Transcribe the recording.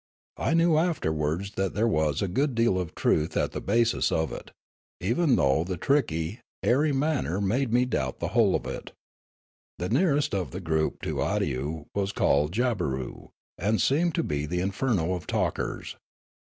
I knew afterwards that there was a good deal of truth at the basis of it, ev^en though the tricky, airy manner made me doubt the whole of it. The nearest of the group to Awdyoo was called Jabberoo, and seemed to be the inferno of talkers.